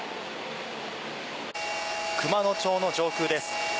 熊野町の上空です。